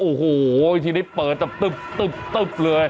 โอ้โฮทีนี้เปิดจากตึบตึบเลย